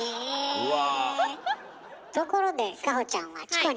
うわ。